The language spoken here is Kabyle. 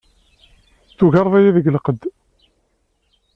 Tugareḍ-iyi deg lqedd.